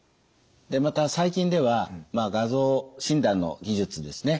また最近では画像診断の技術ですね